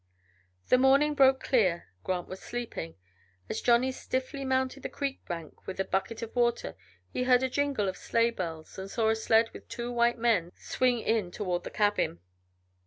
The morning broke clear; Grant was sleeping. As Johnny stiffly mounted the creek bank with a bucket of water he heard a jingle of sleighbells and saw a sled with two white men swing in toward the cabin.